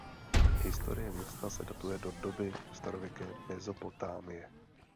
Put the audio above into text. Historie města se datuje do doby starověké Mezopotámie.